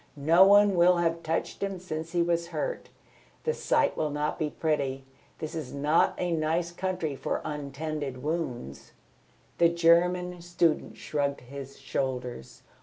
No one will have touched him since he was hurt. The sight will not be pretty. This is not a nice country for untended wounds." The German student shrugged his shoulders.